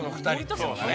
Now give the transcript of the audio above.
◆そうだね。